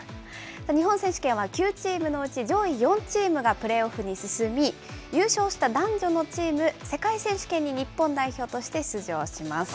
日本選手権は９チームのうち上位４チームがプレーオフに進み、優勝した男女のチーム、世界選手権に日本代表として出場します。